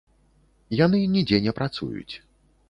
Яны нідзе не працуюць.